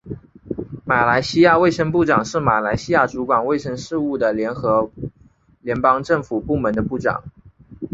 马来西亚卫生部长是马来西亚主管卫生事务的联邦政府部门的部长。